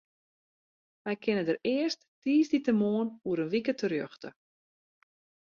Wy kinne dêr earst tiisdeitemoarn oer in wike terjochte.